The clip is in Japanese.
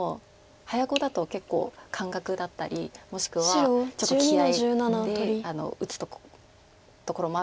早碁だと結構感覚だったりもしくはちょっと気合いで打つところもあるので。